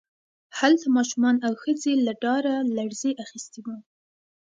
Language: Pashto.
هلته ماشومان او ښځې له ډاره لړزې اخیستي وو